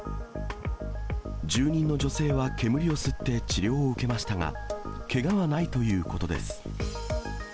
住人の女性は煙を吸って治療を受けましたが、けがはないということです。